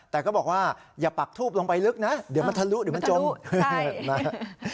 แต่ก็บอกว่าอย่าปักทูบลงไปลึกนะเดี๋ยวมันทะลุเดี๋ยวมันจมนะ